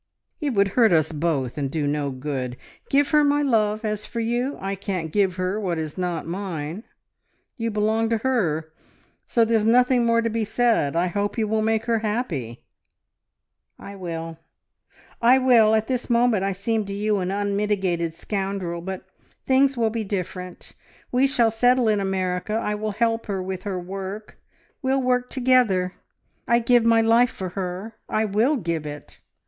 "It would hurt us both, and do no good. Give her my love. As for you I can't give her what is not mine. ... You belong to her, so there's nothing more to be said. ... I hope you will make her happy." "I will I will! At this moment I seem to you an unmitigated scoundrel, but things will be different. ... We shall settle in America. I will help her with her work. We'll work together. I'd give my life for her ... I will give it!